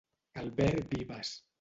Albert Vives.